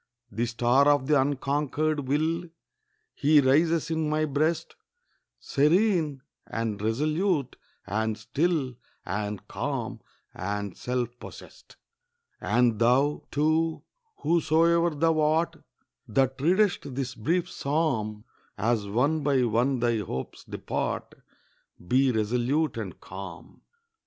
The star of the unconquered will, He rises in my breast, Serene, and resolute, and still, And calm, and self possessed. And thou, too, whosoe'er thou art, That readest this brief psalm, As one by one thy hopes depart, Be resolute and calm.